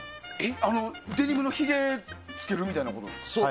デニムのひげつけるみたいなことですか？